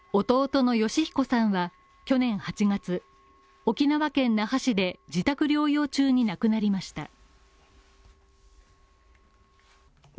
弟の善彦さんは去年８月、沖縄県那覇市で自宅療養中に亡くなりました。